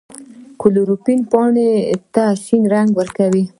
کلوروفیل پاڼو ته شین رنګ ورکوي